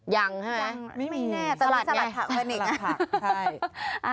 ยังใช่ไหมยังไม่มีแน่สลัดไงสลัดผักเพิ่งอีกสลัดผักใช่